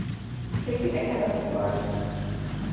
რისი კეთება გიყვარს?